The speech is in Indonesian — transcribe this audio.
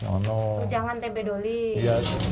jangan tempe doli